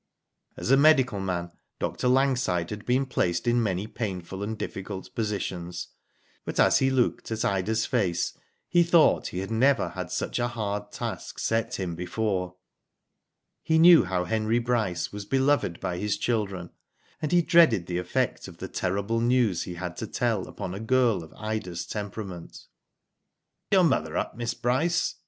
As a medical man Dr. Langside had been placed in many painful and difficult positions, but as he looked at Ida's face he thought he had never had such a hard task set him before. He knew how Henry Bryce was beloved by his children, and he dreaded the effect of the terrible news he had to tell upon a girl of Ida's temperament. Is your mother up. Miss Bryce?"